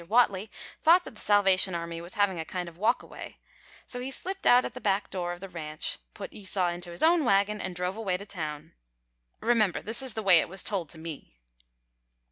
Whatley thought that the Salvation Army was having a kind of walkaway, so he slipped out at the back door of the ranch, put Esau into his own wagon and drove away to town. Remember, this is the way it was told to me.